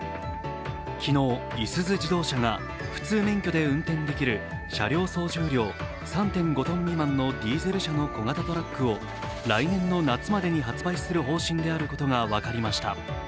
昨日、いすゞ自動車が普通免許で運転できる車両総重量３．５ｔ未満のディーゼル車の小型トラックを来年の夏までに発売する方針であることが分かりました。